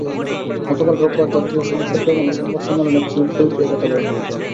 গতকাল রোববার জাতীয় সংসদ ভবনে সংবাদ সম্মেলনে চিফ হুইপ এ কথা বলেন।